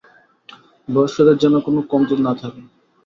বয়স্কদের যেন কোনও কমতি না থাকে।